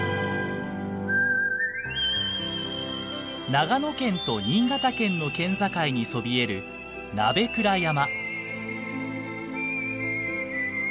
長野県と新潟県の県境にそびえる鍋倉山。